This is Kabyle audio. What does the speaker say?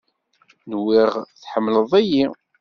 Nwiɣ tḥemleḍ-iyi.